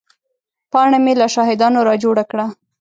پاڼه مې له شاهدانو را جوړه کړه.